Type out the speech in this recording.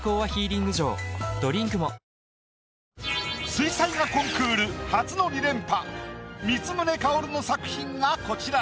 水彩画コンクール初の２連覇光宗薫の作品がこちら。